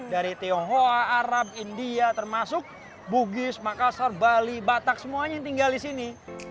dari tionghoa arab india termasuk bugis makassar bali batak semuanya yang tinggal di sini